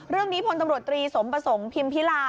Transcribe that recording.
เรื่องนี้พตตสมประสงค์พิมพิรา